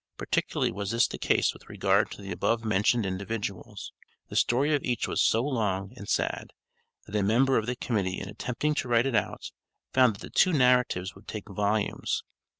Particularly was this the case with regard to the above mentioned individuals. The story of each was so long and sad, that a member of the Committee in attempting to write it out, found that the two narratives would take volumes.